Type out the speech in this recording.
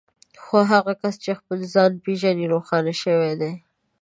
خو هغه کس چې خپل ځان پېژني روښانه شوی دی.